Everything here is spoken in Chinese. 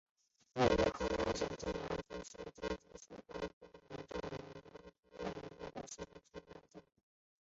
位于河南省南阳市淅川县荆紫关镇磨沟村的伏牛山余脉乍客山山腰间。